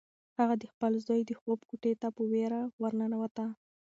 هغه د خپل زوی د خوب کوټې ته په وېره ورننوته.